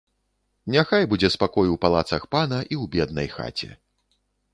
Няхай будзе спакой у палацах пана і ў беднай хаце.